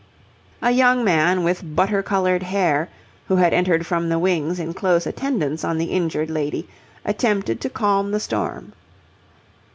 A young man with butter coloured hair, who had entered from the wings in close attendance on the injured lady, attempted to calm the storm.